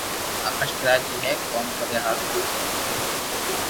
آڪاݾ ڪراچي ھي ڪوم ڪريا ھارون